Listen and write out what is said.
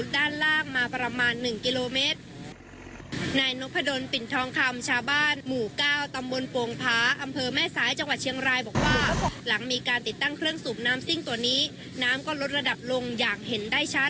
ด้านชาวบ้านหมู่เกล้าตำบลโปรงผาอำเภอแม่ศัยจังหวัดเชียงรายบอกว่าหลังมีการติดตั้งเครื่องสูบน้ำซิ่งตัวนี้น้ำก็ลดระดับลงอย่างเห็นได้ชัด